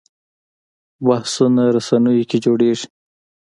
بحثونه رسنیو کې جوړېږي